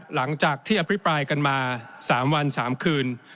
หลังจากที่อภิปรายกันมา๓วัน๓คืน